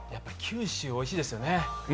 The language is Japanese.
やっぱり九州おいしいですよね。